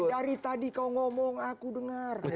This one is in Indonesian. dari tadi kau ngomong aku dengar